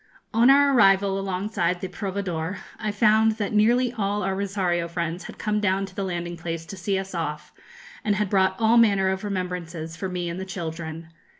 On our arrival alongside the 'Proveedor,' I found that nearly all our Rosario friends had come down to the landing place to see us off, and had brought all manner of remembrances for me and the children.